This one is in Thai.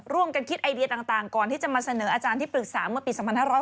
คิดไอเดียต่างก่อนที่จะมาเสนออาจารย์ที่ปรึกษาเมื่อปี๒๕๕๙